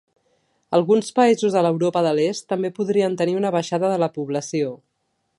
Alguns països de l'Europa de l'Est també podrien tenir una baixada de la població.